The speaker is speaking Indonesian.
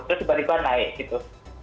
terus tiba tiba naik gitu